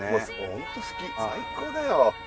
ホント好き最高だよ